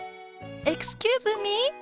エクスキューズミー？